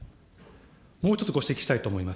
もう一つご指摘したいと思います。